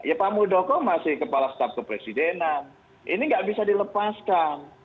ya pak muldoko masih kepala staf kepresidenan ini nggak bisa dilepaskan